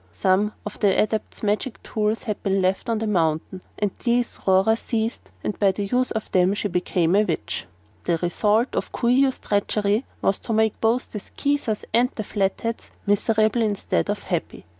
Some of the Adepts' magic tools had been left on the mountain, and these Rora seized and by the use of them she became a witch. "The result of Coo ee oh's treachery was to make both the Skeezers and the Flatheads miserable instead of happy.